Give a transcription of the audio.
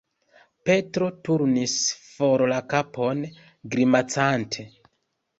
Petro turnis for la kapon, grimacante.